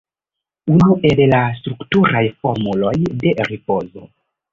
Unu el la strukturaj formuloj de ribozo.